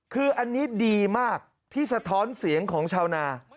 คืออันนี้ดีมากที่สะท้อนเสียงของชาวนา